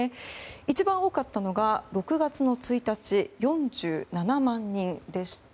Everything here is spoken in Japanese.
一番多かったのが６月１日４７万人でした。